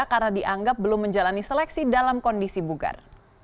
karena dianggap belum menjalani seleksi dalam kondisi bugar